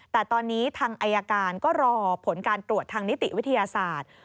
แต่ตอนนี้ทางอายการก็รอผลการตรวจทางนิติวิทยาศาสตร์